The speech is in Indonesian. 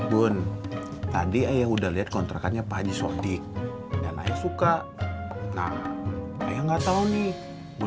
bun tadi ayah udah lihat kontrakannya pak haji shawty dan saya suka nah saya nggak tahu nih